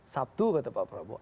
sabtu kata pak prabowo